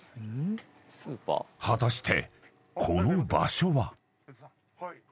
［果たしてこの場所は？］